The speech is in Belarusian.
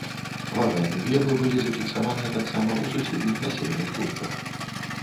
Ваганні глебы былі зафіксаваныя таксама ў суседніх населеных пунктах.